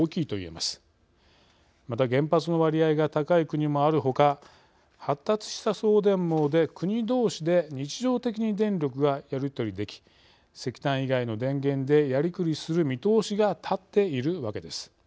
また、原発の割合が高い国もあるほか発達した送電網で国どうしで日常的に電力がやり取りでき石炭以外の電源でやりくりする見通しがたっているわけです。